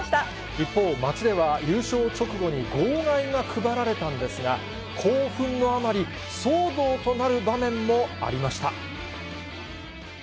一方、街では優勝直後に号外が配られたんですが、興奮のあまり、騒動となる場面もありました。